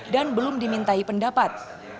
dan belum dimintai pendapat